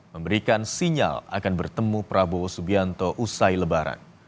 memberikan sinyal akan bertemu prabowo subianto usai lebaran